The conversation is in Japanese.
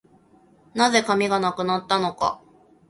何故、紙がなくなったのか